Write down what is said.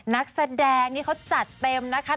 นักแสดงนี่เขาจัดเต็มนะคะ